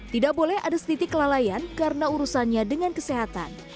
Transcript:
tidak boleh ada sedikit kelalaian karena urusannya dengan kesehatan